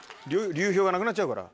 流氷がなくなっちゃうから。